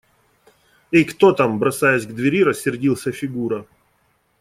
– Эй, кто там? – бросаясь к двери, рассердился Фигура.